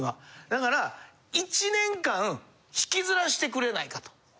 だから１年間引きずらせてくれないかと。